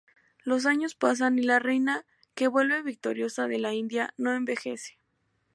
Los años pasan y la reina, que vuelve victoriosa de la India, no envejece.